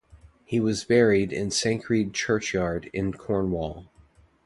He was buried in Sancreed churchyard in Cornwall.